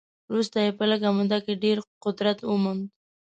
وروسته یې په لږه موده کې ډېر قدرت وموند.